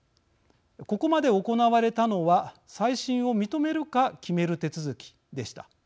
ここまで行われたのは再審を認めるか決める手続きでした。